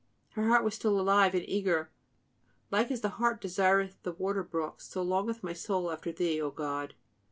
Her heart was still alive and eager: "Like as the heart desireth the water brooks, so longeth my soul after thee, O God."